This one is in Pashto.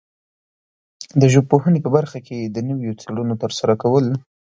د ژبپوهنې په برخه کې د نویو څېړنو ترسره کول